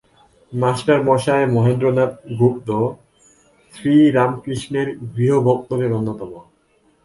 মাষ্টারমহাশয় মহেন্দ্রনাথ গুপ্ত, শ্রীরামকৃষ্ণের গৃহী-ভক্তদের অন্যতম।